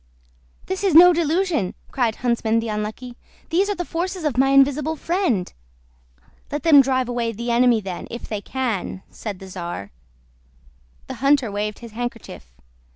"This is no delusion!" cried Huntsman the Unlucky. "These are the forces of my invisible friend." "Let them drive away the enemy then, if they can," said the czar. The hunter waved his handkerchief.